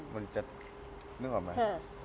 มันจะนึกออกไหม